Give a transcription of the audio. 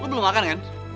lo belum makan kan